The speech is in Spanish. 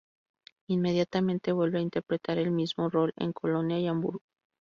Inmediatamente vuelve a interpretar el mismo rol en Colonia y Hamburgo.